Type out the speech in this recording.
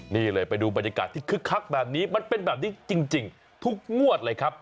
นี่เลยไปดูบรรยากาศที่คึกคักแบบนี้มันเป็นแบบนี้จริงทุกงวดเลยครับ